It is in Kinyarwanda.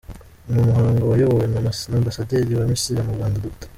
Ni umuhango wayobowe na Ambasaderi wa Misiri mu Rwanda Dr.